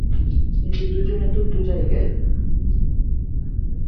কিন্তু দুজনে দু জায়গায়।